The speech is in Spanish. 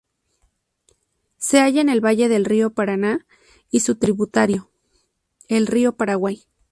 Se halla en el valle del río Paraná y su tributario, el río Paraguay.